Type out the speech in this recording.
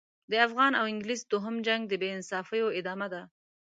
د افغان او انګلیس دوهم جنګ د بې انصافیو ادامه ده.